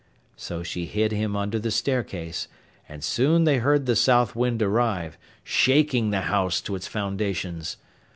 So she hid him under the staircase, and soon they heard the south wind arrive, shaking the house to its foundations.